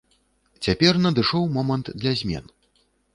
Цяпер надышоў момант для змен.